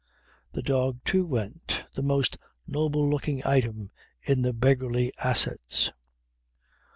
The dog too went: the most noble looking item in the beggarly assets.